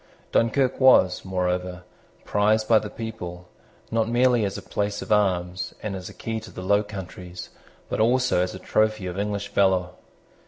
Dunkirk was, moreover, prized by the people, not merely as a place of arms, and as a key to the Low Countries, but also as a trophy of English valour.